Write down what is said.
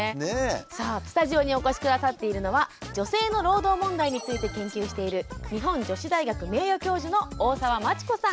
さあスタジオにお越し下さっているのは女性の労働問題について研究している日本女子大学名誉教授の大沢真知子さん。